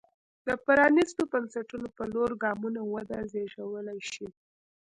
د پرانېستو بنسټونو په لور ګامونه وده زېږولی شي.